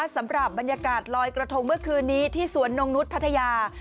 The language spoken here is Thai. สำหรับบรรยากาศลอยกระทงเมื่อคืนนี้ที่สวนนงนุษย์พัทยา